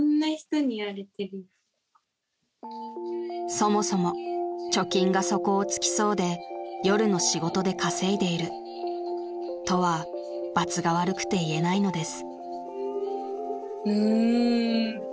［そもそも貯金が底を尽きそうで夜の仕事で稼いでいるとはばつが悪くて言えないのです］